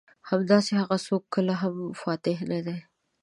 همداسې هغه څوک کله هم فاتح نه دي.